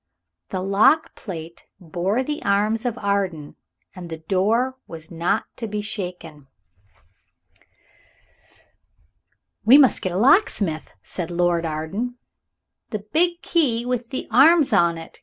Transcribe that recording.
The lock plate bore the arms of Arden, and the door was not to be shaken. "We must get a locksmith," said Lord Arden. "The big key with the arms on it!"